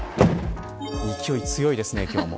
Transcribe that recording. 勢い強いですね、今日も。